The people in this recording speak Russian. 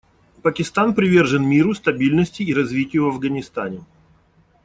Пакистан привержен миру, стабильности и развитию в Афганистане.